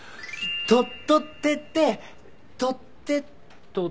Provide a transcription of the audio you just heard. とっとってってとってっとと？